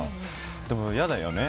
でも、嫌だよね。